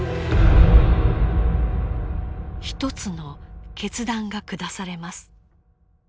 一つの決断が下されます。